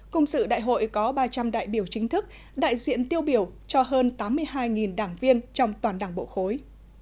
cùng sự đại hội có ba trăm linh đại biểu chính thức đại diện tiêu biểu cho hơn tám mươi hai đảng viên trong toàn đảng bộ khối